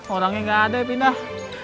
orangnya gak ada ya pindah